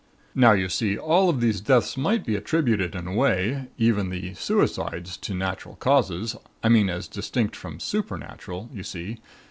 Now, you see, all of these deaths might be attributed in a way even the suicides to natural causes, I mean as distinct from supernatural. You see?